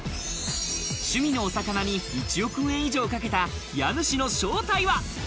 趣味のお魚に１億円以上かけた家主の正体は？